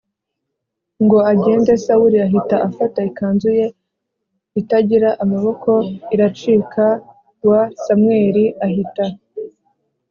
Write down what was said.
Ngo agende sawuli ahita afata ikanzu ye itagira amaboko iracika w samweli ahita